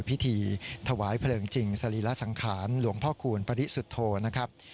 พิธีถวายเพลิงจริงสรีระสังขารหลวงพ่อคูณปริสุทธโธนะครับ